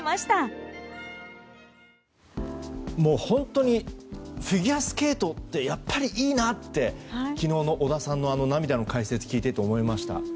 本当にフィギュアスケートってやっぱりいいな！って昨日の織田さんの涙の解説を聞いていて思いました。